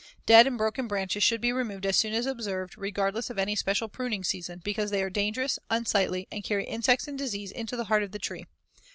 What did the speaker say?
Dead and broken branches should be removed as soon as observed, regardless of any special pruning season, because they are dangerous, unsightly and carry insects and disease into the heart of the tree.